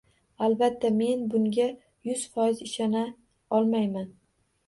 Albatta, men bunga yuz foiz ishona olmayman.